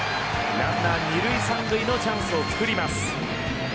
ランナー２塁、３塁のチャンスをつくります。